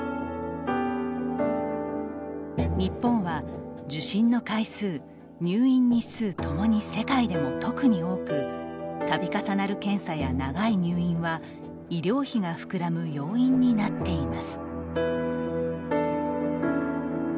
日本は受診の回数、入院日数共に世界でも特に多く度重なる検査や長い入院は医療費が膨らむ要因になっています。